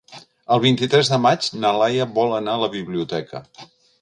El vint-i-tres de maig na Laia vol anar a la biblioteca.